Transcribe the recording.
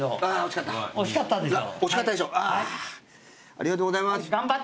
ありがとうございます。